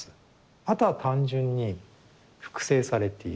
あとは単純に複製されている。